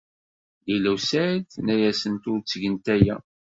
Lila u Saɛid tenna-asent ur ttgent aya.